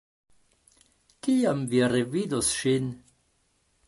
Kiam vi revidos ŝin?